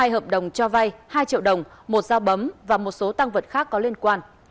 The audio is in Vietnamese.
hai hợp đồng cho vay hai triệu đồng một dao bấm và một số tăng vật khác có liên quan